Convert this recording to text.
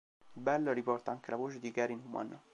Bell, riporta anche la voce di Gary Numan.